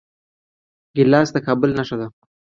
ګیلاس د کابل نښه ده.